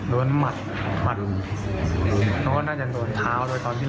โดนหมัดมัดดู